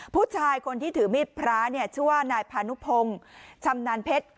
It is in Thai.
ผู้ชายคนที่ถือมีดพระเนี่ยชื่อว่านายพานุพงศ์ชำนาญเพชร